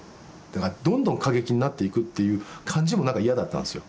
どんどん過激になっていくっていう感じもなんか嫌だったんですよ。